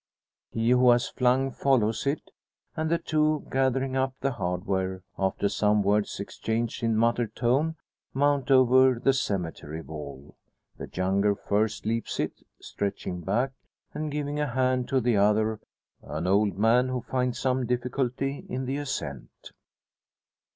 He who has flung follows it; and the two gathering up the hardware, after some words exchanged in muttered tone, mount over the cemetery wall. The younger first leaps it, stretching back, and giving a hand to the other an old man, who finds some difficulty in the ascent.